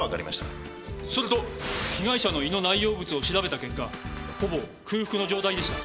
それと被害者の胃の内容物を調べた結果ほぼ空腹の状態でした。